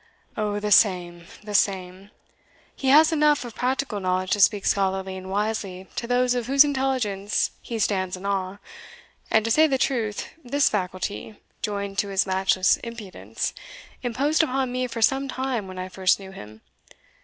"O, the same the same. He has enough of practical knowledge to speak scholarly and wisely to those of whose intelligence he stands in awe; and, to say the truth, this faculty, joined to his matchless impudence, imposed upon me for some time when I first knew him.